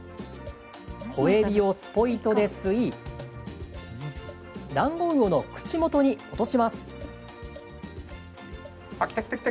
小えびをスポイトで吸いダンゴウオの口元に落とします。